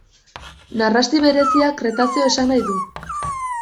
Narrasti berezia Kretazeo esan nahi du.